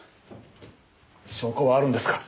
証拠はあるんですか？